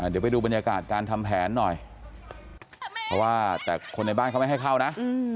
เดี๋ยวไปดูบรรยากาศการทำแผนหน่อยเพราะว่าแต่คนในบ้านเขาไม่ให้เข้านะ